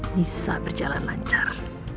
bisa berjalan lancar